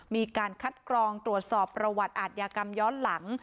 มีการคัดกรองตรวจสอบประวัติอาทยากรรมย้อนหลัง